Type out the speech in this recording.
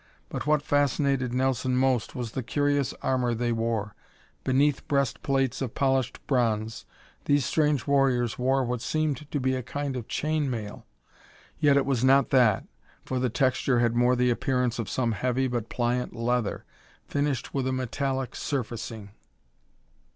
But what fascinated Nelson most was the curious armor they wore. Beneath breast plates of polished bronze, these strange warriors wore what seemed to be a kind of chain mail yet it was not that, for the texture had more the appearance of some heavy but pliant leather, finished with a metallic surfacing.